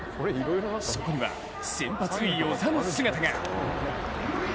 そこには先発・與座の姿が。